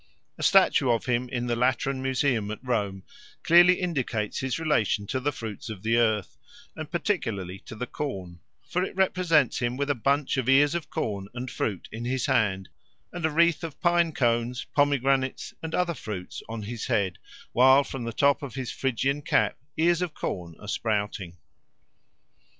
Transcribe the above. A statue of him in the Lateran Museum at Rome clearly indicates his relation to the fruits of the earth, and particularly to the corn; for it represents him with a bunch of ears of corn and fruit in his hand, and a wreath of pine cones, pomegranates, and other fruits on his head, while from the top of his Phrygian cap ears of corn are sprouting.